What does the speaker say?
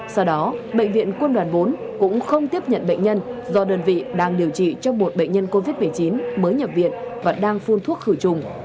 sau đó bệnh viện quân đoàn bốn cũng không tiếp nhận bệnh nhân do đơn vị đang điều trị cho một bệnh nhân covid một mươi chín mới nhập viện và đang phun thuốc khử trùng